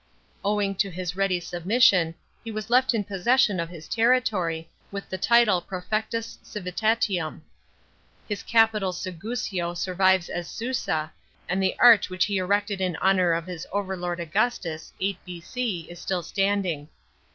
Owing to his ready submission, he was left in possession of his territory, with the title prcefectus civitatium. His capital Segusio survives as Susa, and the arch which he erected in honour of his over lord Augustus (8 B.C.) is still standing.